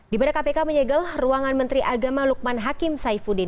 di mana kpk menyegel ruangan menteri agama lukman hakim saifuddin